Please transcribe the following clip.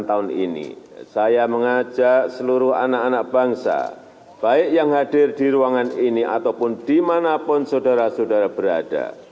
tahun ini saya mengajak seluruh anak anak bangsa baik yang hadir di ruangan ini ataupun dimanapun saudara saudara berada